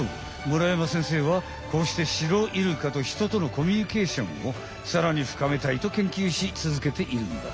村山先生はこうしてシロイルカとひととのコミュニケーションをさらにふかめたいとけんきゅうしつづけているんだ。